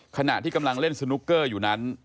ขณะที่กำลังเล่นสนุกเกอร์อยู่นั้น